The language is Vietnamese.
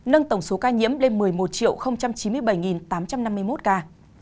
nâng tổng số ca nhiễm lên một mươi một chín mươi bảy tám trăm năm mươi một ca